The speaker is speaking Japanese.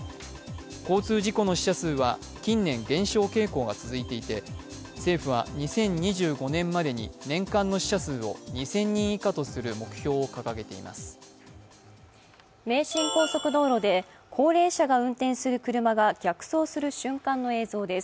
交通事故の死者数は近年減少傾向が続いていて、政府は２０２５年までに年間の死者数を２０００人以下とする目標を掲げています。